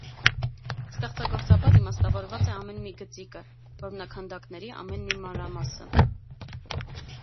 Ստեղծագործաբար իմաստավորված է ամեն մի գծիկը, որմնաքանդակների ամեն մի մանրամասը։